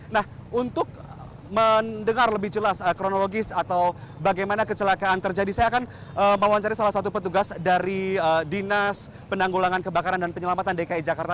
nah untuk mendengar lebih jelas kronologis atau bagaimana kecelakaan terjadi saya akan mewawancari salah satu petugas dari dinas penanggulangan kebakaran dan penyelamatan dki jakarta